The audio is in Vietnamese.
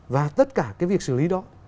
và tất cả cái việc xử lý đó